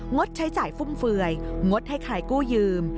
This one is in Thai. ดใช้จ่ายฟุ่มเฟือยงดให้ใครกู้ยืม